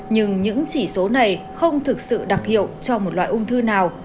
nhưng những chỉ số này không thực sự đặc hiệu cho một loại ung thư nào